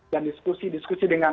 dan diskusi diskusi dengan